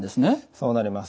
そうなります。